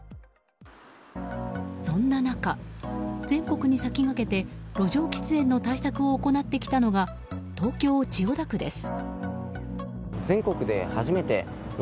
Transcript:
そんな中、全国に先駆けて路上喫煙の対策を行ってきたのが東京・千代田区です。